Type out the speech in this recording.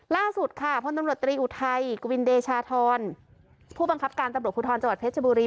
ล่าสุดค่ะพลตำรวจตรีอุทัยกวินเดชาธรผู้บังคับการตำรวจภูทรจังหวัดเพชรบุรี